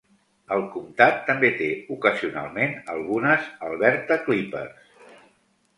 El comtat també té ocasionalment algunes "Alberta clippers".